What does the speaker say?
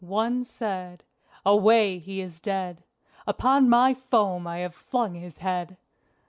One said: "Away! he is dead! Upon my foam I have flung his head!